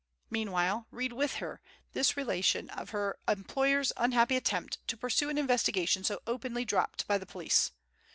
Meanwhile, read with her, this relation of her employer's unhappy attempt to pursue an investigation so openly dropped by the police.